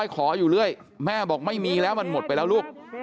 ขออยู่เรื่อยแม่บอกไม่มีแล้วมันหมดไปแล้วลูก